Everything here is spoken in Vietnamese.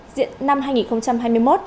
diễn năm hai nghìn hai mươi một